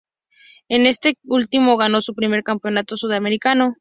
En este último, ganó su primer Campeonato Sudamericano.